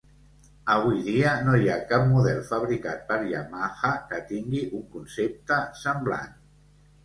Avui dia no hi ha cap model fabricat per Yamaha que tingui un concepte semblant.